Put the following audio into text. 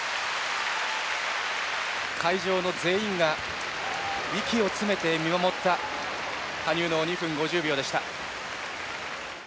会場の全員が息を詰めて見守った羽生の２分５０秒でした。